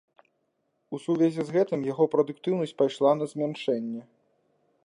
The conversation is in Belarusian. У сувязі з гэтым яго прадуктыўнасць пайшла на змяншэнне.